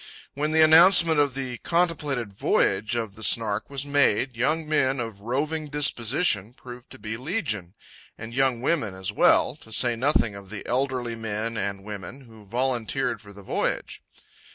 When the announcement of the contemplated voyage of the Snark was made, young men of "roving disposition" proved to be legion, and young women as well—to say nothing of the elderly men and women who volunteered for the voyage.